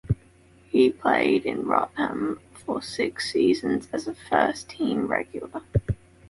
He played in Rotterdam for six seasons as a first team regular.